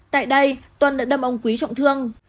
tại đây tuân đã đâm ông quý trọng thương